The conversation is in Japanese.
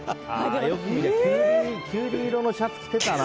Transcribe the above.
よく見たらキュウリ色のシャツ着てたな。